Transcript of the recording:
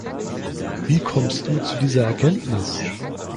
Wie kommst du zu dieser Erkenntnis?